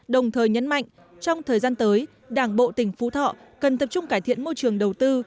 đồng thời nhấn mạnh trong thời gian tới đảng bộ tỉnh phú thọ cần tập trung cải thiện môi trường đầu tư